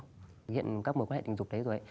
hiện các mối quan hệ tình dục đấy rồi